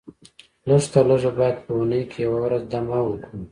لږ تر لږه باید په اونۍ کې یوه ورځ دمه وکړو